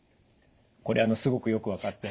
これすごくよく分かって。